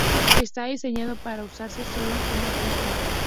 Está diseñado para usarse sólo en órbita.